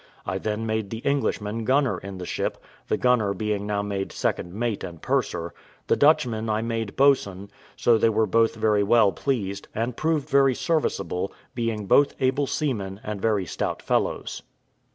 I then made the Englishman gunner in the ship, the gunner being now made second mate and purser; the Dutchman I made boatswain; so they were both very well pleased, and proved very serviceable, being both able seamen, and very stout fellows.